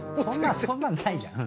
そんなんないじゃん。